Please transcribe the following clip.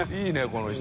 この人。